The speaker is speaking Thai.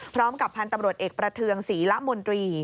พร้อมกับพันธุ์ตำรวจเอกประเทืองศรีละมนตรี